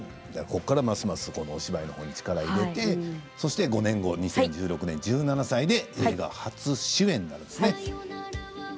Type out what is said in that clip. ここからますますお芝居に力を入れてそして５年後２０１６年１７歳で映画初主演なんですね。